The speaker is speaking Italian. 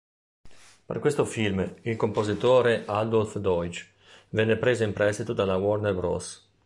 Per questo film, il compositore Adolph Deutsch venne "preso in prestito" dalla Warner Bros..